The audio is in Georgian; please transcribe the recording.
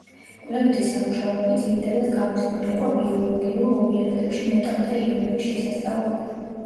კვლევითი სამუშაოები ძირითადად გამიზნული იყო ბიოლოგიურ ობიექტებში მეტალთა იონების შესასწავლად.